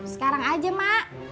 sekarang aja mak